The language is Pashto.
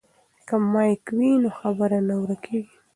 که مایک وي نو خبره نه ورکیږي.